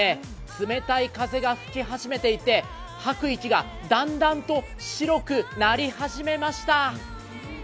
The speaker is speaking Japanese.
冷たい風が吹き始めていて吐く息がだんだんと白くなり始めました。